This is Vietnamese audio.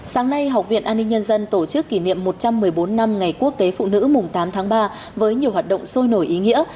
sáng nay học viện an ninh nhân dân tổ chức kỷ niệm một trăm một mươi bốn năm ngày quốc tế phụ nữ mùng tám tháng ba với nhiều hoạt động sôi nổi ý nghĩa